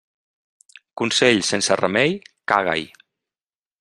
Consell sense remei, caga-hi.